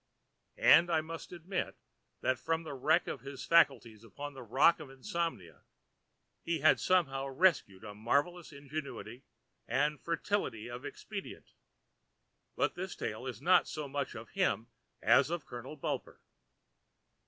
And I must admit that from the wreck of his faculties upon the rock of insomnia he had somehow rescued a marvellous ingenuity and fertility of expedient. But this tale is not so much of him as of Colonel Bulper.